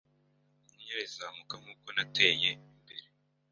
Inyenyeri zizamuka nkuko nateye imbere